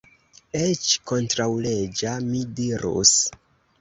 Eĉ kontraŭleĝa, mi dirus.